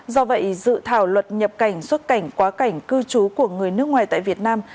do vậy dự thảo luật nhập cảnh xuất cảnh quá cảnh cư trú của người nước ngoài tại việt nam